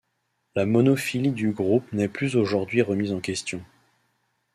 La monophylie du groupe n'est plus aujourd'hui remise en question.